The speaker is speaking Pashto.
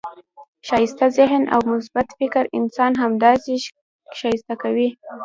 ښایسته ذهن او مثبت فکر انسان همداسي ښایسته کوي.